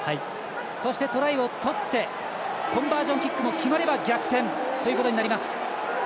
そして、トライを取ってコンバージョンキックも決まれば逆転となります。